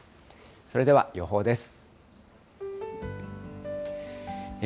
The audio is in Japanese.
それでは予報です。